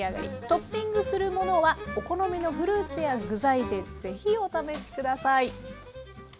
トッピングするものはお好みのフルーツや具材でぜひお試しください。